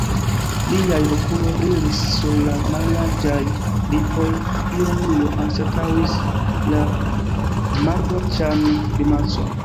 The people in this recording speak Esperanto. Liaj okuloj brilis, sur la mallarĝaj lipoj ironio anstataŭis la maldolĉan grimacon.